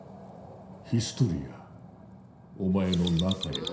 ヒストリアお前の中へとな。